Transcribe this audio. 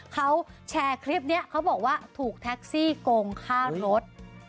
เขาแชร์คลิปนี้เขาบอกว่าถูกแท็กซี่โกงค่ารถ